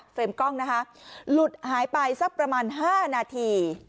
กล้องนะคะหลุดหายไปสักประมาณ๕นาที